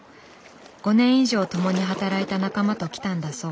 ５年以上共に働いた仲間と来たんだそう。